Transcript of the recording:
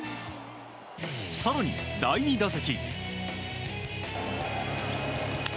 更に、第２打席。